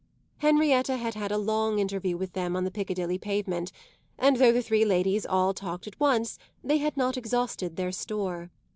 Henrietta had had a long interview with them on the Piccadilly pavement, and though the three ladies all talked at once they had not exhausted their store.